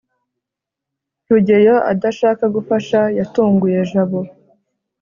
rugeyo adashaka gufasha yatunguye jabo